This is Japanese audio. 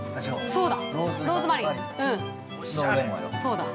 ◆そうだ！